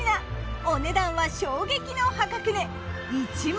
お値段は衝撃の破格値。